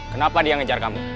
kenapa dia ngejar kamu